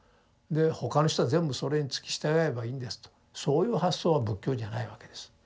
で他の人は全部それに付き従えばいいんですとそういう発想は仏教じゃないわけです。